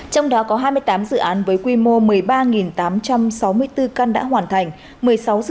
trong đó có hai mươi tám dự án nhà ở xã hội dành cho người thu nhập thấp và công nhân khu công nghiệp